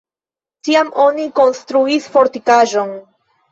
Tiam oni konstruis fortikaĵon.